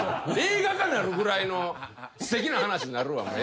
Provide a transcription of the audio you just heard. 映画化なるぐらいのすてきな話になるわ。